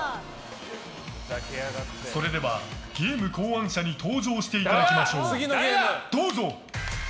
それではゲーム考案者に登場していただきましょう。